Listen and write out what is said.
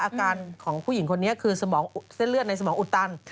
อาการของผู้หญิงคนนี้คือสมองเส้นเลือดในสมองอุดตัน